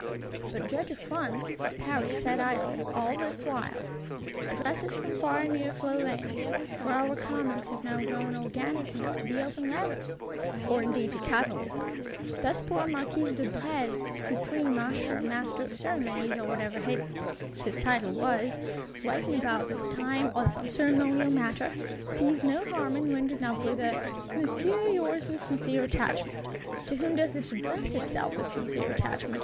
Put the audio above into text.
But judge if France, if Paris sat idle, all this while! Addresses from far and near flow in: for our Commons have now grown organic enough to open letters. Or indeed to cavil at them! Thus poor Marquis de Brézé, Supreme Usher, Master of Ceremonies, or whatever his title was, writing about this time on some ceremonial matter, sees no harm in winding up with a "Monsieur, yours with sincere attachment."—'To whom does it address itself, this sincere attachment?